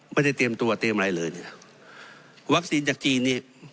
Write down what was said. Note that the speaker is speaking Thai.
ไม่ได้เตรียมตัวเตรียมอะไรเลยวัคซีนจากจีนนี่